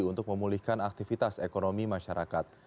untuk memulihkan aktivitas ekonomi masyarakat